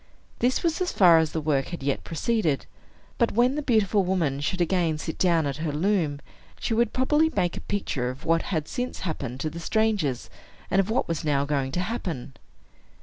This was as far as the work had yet proceeded; but when the beautiful woman should again sit down at her loom, she would probably make a picture of what had since happened to the strangers, and of what was now going to happen.